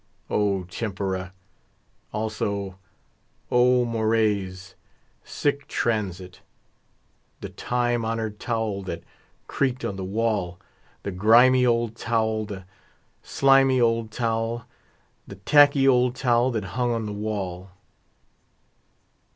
O tempora! Also, O mores! Sic transit The time honored towel that creaked on the wall. The grimy old towel, the slimy old towel, The tacky old towel that hung on the wall.